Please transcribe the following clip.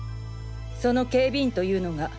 その警備員というのが。